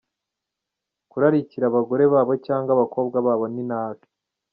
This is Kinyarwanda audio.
Kurarikira abagore babo cyangwa abakobwa babo ni nabi.